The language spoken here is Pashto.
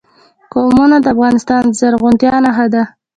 قومونه د افغانستان د زرغونتیا نښه ده.